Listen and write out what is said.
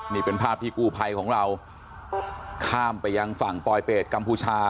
นี่เป็นภาพที่กู้ภัยของเราข้ามไปยังฝั่งปลอยเปรตกัมพูชา